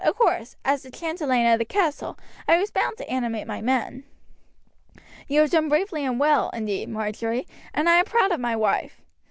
Of course, as chatelaine of the castle, I was bound to animate my men." "You have done bravely and well, indeed, Marjory, and I am proud of my wife.